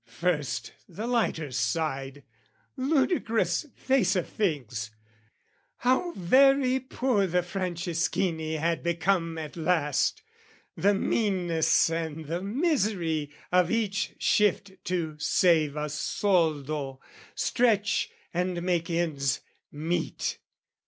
First the lighter side, Ludicrous face of things, how very poor The Franceschini had become at last, The meanness and the misery of each shift To save a soldo, stretch and make ends meet.